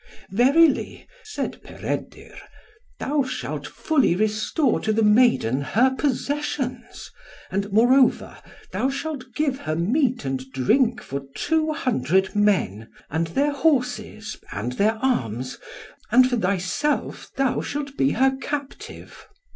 "Verily," said Peredur, "thou shalt fully restore to the maiden her possessions, and, moreover, thou shalt give her meat and drink for two hundred men, and their horses and their arms. And for thyself, thou shalt be her captive."